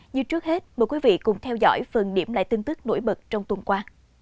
như trước hết mời quý vị cùng theo dõi phần điểm lại tin tức nổi bật trong tuần qua